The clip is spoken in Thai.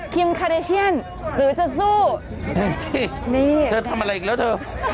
คาเดเชียนหรือจะสู้สินี่เธอทำอะไรอีกแล้วเธอ